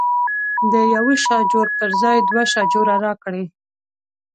د یوه شاجور پر ځای دوه شاجوره راکړي.